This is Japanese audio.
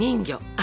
あ。